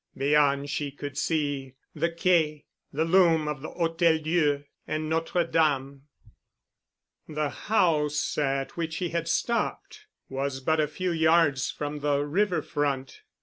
Beyond she could see the Quai, the loom of the Hôtel Dieu and Notre Dame. The house at which he had stopped was but a few yards from the river front.